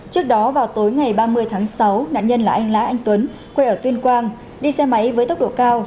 trước đó vào tối ngày ba mươi tháng sáu nạn nhân là anh lá anh tuấn quê ở tuyên quang đi xe máy với tốc độ cao